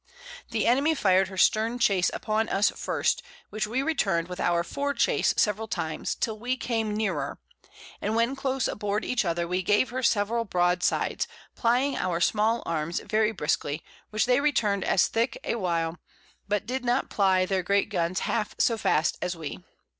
The Enemy fired her Stern Chase upon us first, which we return'd with our Fore Chase several times, till we came nearer, and when close aboard each other, we gave her several Broadsides, plying our Small Arms very briskly, which they return'd as thick a while, but did not ply their great Guns half so fast as we.